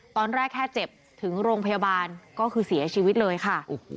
ตอนแรกแค่เจ็บถึงโรงพยาบาลก็คือเสียชีวิตเลยค่ะ